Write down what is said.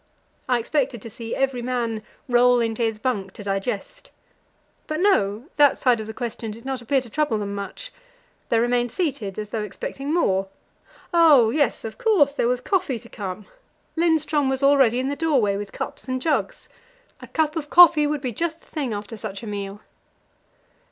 I expected to see every man roll into his bunk to digest. But no; that side of the question did not appear to trouble them much. They remained seated, as though expecting more. Oh yes, of course; there was coffee to come. Lindström was already in the doorway with cups and jugs. A cup of coffee would be just the thing after such a meal.